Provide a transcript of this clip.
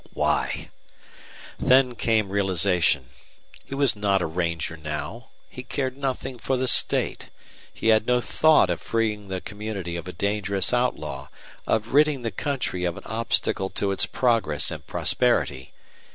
Why? Then came realization. He was not a ranger now. He cared nothing for the state. He had no thought of freeing the community of a dangerous outlaw, of ridding the country of an obstacle to its progress and prosperity.